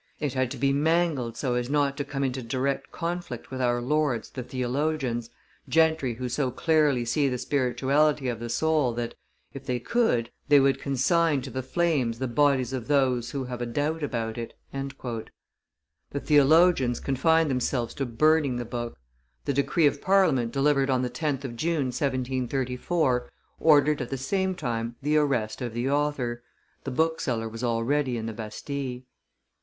It had to be mangled so as not to come into direct conflict with our lords the theologians, gentry who so clearly see the spirituality of the soul that, if they could, they would consign to the flames the bodies of those who have a doubt about it." The theologians confined themselves to burning the book; the decree of Parliament delivered on the 10th of June, 1734, ordered at the same time the arrest of the author; the bookseller was already in the Bastille.